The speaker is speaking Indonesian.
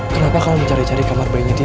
kenapa kamu mencari cari kamar bayinya di ibu